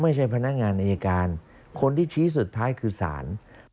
ไม่ใช่พนักงานนาฬิการคนที่ชี้สุดท้ายคือศาล